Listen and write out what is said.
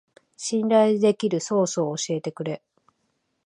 信頼できるソースを教えてくれ